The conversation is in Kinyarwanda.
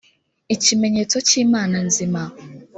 ikimenyetso cy imana nzima